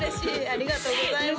ありがとうございます